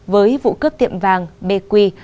với vụ cướp tiệm vàng bqi